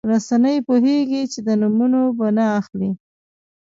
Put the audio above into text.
رسنۍ پوهېږي چې د نومونه به نه اخلي.